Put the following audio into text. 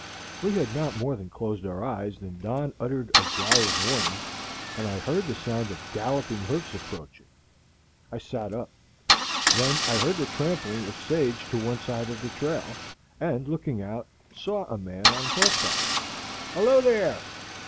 We had not more than closed our eyes than Don uttered a growl of warning, and I heard the sound of galloping hoofs approaching. I sat up. Then I heard the trampling of sage to one side of the trail, and looking out, saw a man on horseback. "Hello there!